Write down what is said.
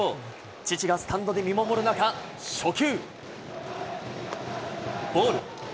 父がスタンドで見守る中、初球。